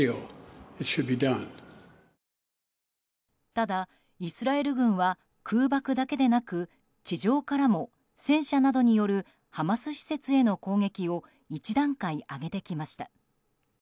ただイスラエル軍は空爆だけでなく地上からも戦車などによるハマス施設への攻撃を１段階、上げてきました。